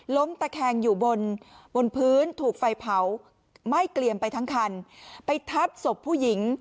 ตะแคงอยู่บนบนพื้นถูกไฟเผาไหม้เกลี่ยมไปทั้งคันไปทับศพผู้หญิง